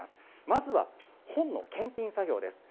まずは本の検品作業です。